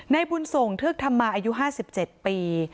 ในบุญทรงธึกธรรมาอายุห้าสิบเจ็ดปี